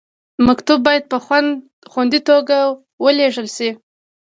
مکتوب باید په خوندي توګه ولیږل شي.